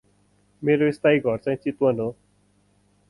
मेरो स्थायी घर चाहिँ चितवन हो ।